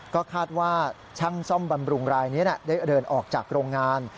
ก็คาดว่าช่างซ่อมบำรุงรายนี้ได้เดินออกจากโรงงาน